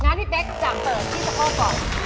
หน้าที่เป๊กจะเปิดที่สะพ้อก่อน